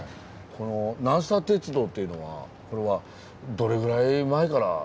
この南鉄道っていうのはこれはどれぐらい前からあったんですか。